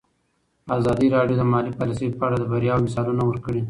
ازادي راډیو د مالي پالیسي په اړه د بریاوو مثالونه ورکړي.